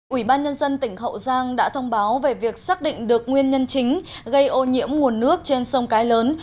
ủy ban nhân dân tỉnh hậu giang đã thông báo về việc xác định được nguyên nhân chính gây ô nhiễm nguồn nước trên sông cái lớn